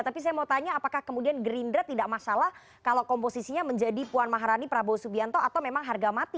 tapi saya mau tanya apakah kemudian gerindra tidak masalah kalau komposisinya menjadi puan maharani prabowo subianto atau memang harga mati